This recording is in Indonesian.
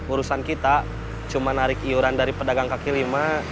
urusan kita cuma narik iuran dari pedagang kaki lima